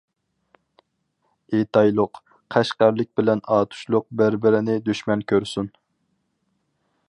ئېيتايلۇق: قەشقەرلىك بىلەن ئاتۇشلۇق بىر-بىرىنى دۈشمەن كۆرسۇن.